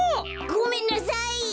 ごめんなさい。